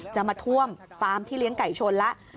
จะมาท่วมฟาร์มที่เลี้ยงไก่ชนแล้ว